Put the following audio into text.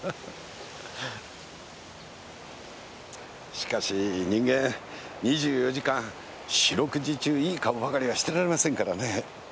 しかし人間２４時間四六時中いい顔ばかりはしてられませんからねえ。